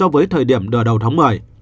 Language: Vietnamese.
với thời điểm đợi đầu tháng một mươi